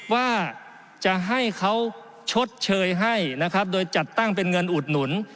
ว่าจะให้เขาชดเชยให้นะครับโดยจัดตั้งเป็นเงินอุดหนุน